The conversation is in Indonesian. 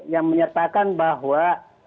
yang menyatakan bahwa